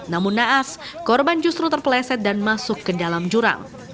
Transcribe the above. pas korban justru terpeleset dan masuk ke dalam jurang